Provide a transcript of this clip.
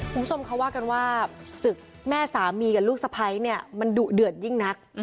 คุณผู้ชมเขาว่ากันว่าศึกแม่สามีกับลูกสะพ้ายเนี่ยมันดุเดือดยิ่งนัก